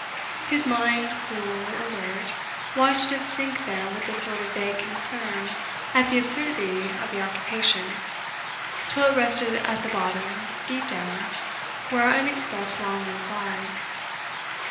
His mind, cool, alert, watched it sink there with a sort of vague concern at the absurdity of the occupation, till it rested at the bottom, deep down, where our unexpressed longings lie.